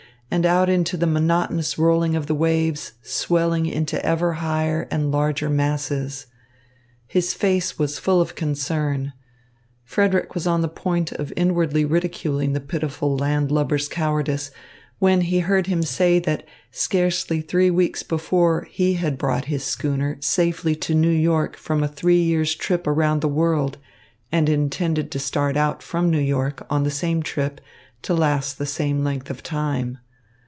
and out into the monotonous rolling of the waves, swelling into ever higher and larger masses. His face was full of concern. Frederick was on the point of inwardly ridiculing the pitiful landlubber's cowardice, when he heard him say that scarcely three weeks before he had brought his schooner safely to New York from a three years' trip around the world, and intended to start out from New York on the same trip to last the same length of time.